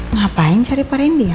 ngapain cari pak rendy ya